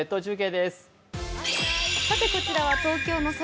こちらは東京の空